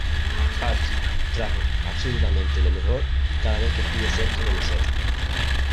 Y Parks trajo absolutamente lo mejor cada vez que estuvo cerca de mi set.